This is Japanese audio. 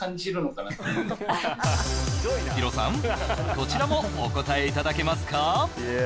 こちらもお答えいただけますか？